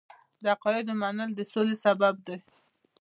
د عقایدو منل د سولې سبب دی.